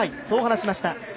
そう話しました。